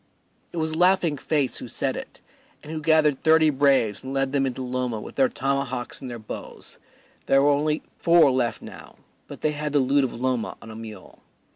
It was Laughing Face who said it, and who gathered thirty braves and led them into Loma with their tomahawks and their bows; there were only four left now, but they had the loot of Loma on a mule.